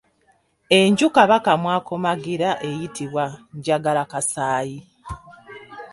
Enju Kabaka mw'akomagira eyitibwa Njagalakasaayi.